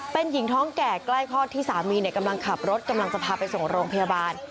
เป็นหญิงท้องแก่ใกล้คลอดที่สามีกำลังขับรถกำลังจะพาไปส่งโรงพยาบาล